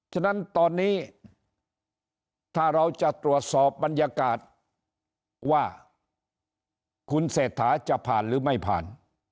ฉะนั้นตอนนี้ถ้าเราจะตรวจสอบบรรยากาศว่าคุณเศรษฐาจะผ่านหรือไม่ผ่าน